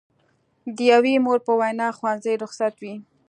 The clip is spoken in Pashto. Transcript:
د یوې مور په وینا ښوونځي رخصت وي.